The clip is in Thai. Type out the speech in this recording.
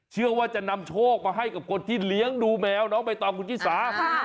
เชื่อว่าจะนำโชคมาให้กับคนที่เลี้ยงดูแมวน้องใบตองคุณชิสา